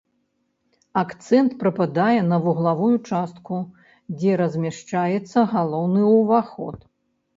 Акцэнт прыпадае на вуглавую частку, дзе размяшчаецца галоўны ўваход.